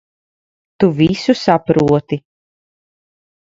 Tu visu saproti.